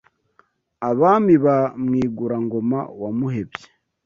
Abami ba Mwigura-ngoma wa Muhebyi